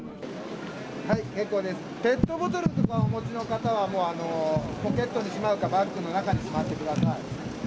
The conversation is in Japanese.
ペットボトルとかお持ちの方は、もう、ポケットにしまうか、バッグの中にしまってください。